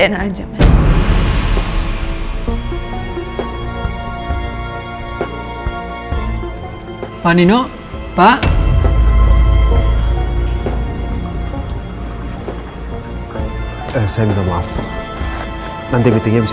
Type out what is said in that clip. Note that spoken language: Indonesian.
kita hama indonesia tersuntuk prosperous